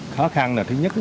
khó khăn là thứ nhất